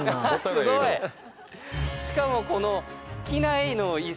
しかもこの。